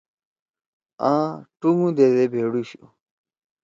آ ٹُنگُودیدے بھیڑُوشُو۔